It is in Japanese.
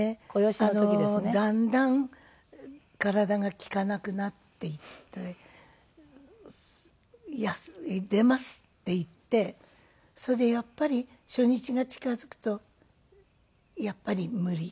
あのだんだん体が利かなくなっていって「出ます」って言ってそれでやっぱり初日が近付くと「やっぱり無理。